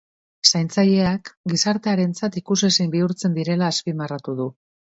Zaintzaileak gizartearentzat ikusezin bihurtzen direla azpimarratu du.